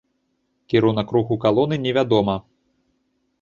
Кірунак руху калоны невядома.